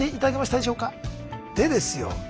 でですよね？